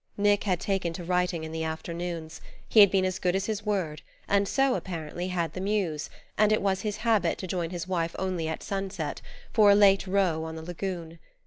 Nick had taken to writing in the afternoons he had been as good as his word, and so, apparently, had the Muse and it was his habit to join his wife only at sunset, for a late row on the lagoon.